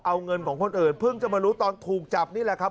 เอาเงินของคนอื่นเพิ่งจะมารู้ตอนถูกจับนี่แหละครับ